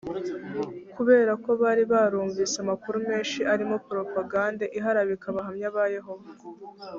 kubera ko bari barumvise amakuru menshi arimo poropagande iharabika abahamya ba yehova